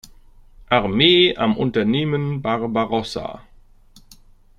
Armee am Unternehmen Barbarossa.